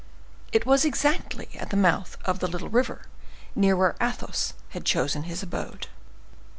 It was exactly at the mouth of the little river, near where Athos had chosen his abode.